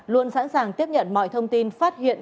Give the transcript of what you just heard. luôn sẵn sàng tiếp nhận mọi thông tin phát hiện